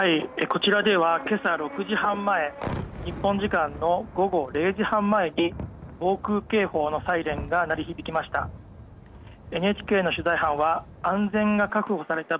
こちらでは今朝６時半前日本時間の午後０時半前に防空警報のサイレンが鳴り響きました。